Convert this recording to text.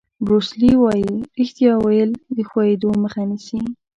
بروس لي وایي ریښتیا ویل د ښویېدو مخه نیسي.